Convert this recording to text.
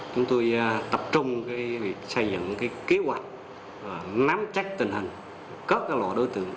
chúng tôi tập trung xây dựng kế hoạch nắm trách tình hình các loại đối tượng